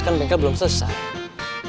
kan bengkel belum selesai